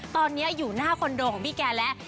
ตอนนี้อยู่หน้าคอนโดของพี่แกแล้ว